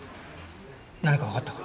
何かわかったか？